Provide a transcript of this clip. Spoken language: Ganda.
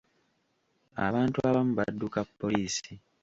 Abantu abamu badduka poliisi.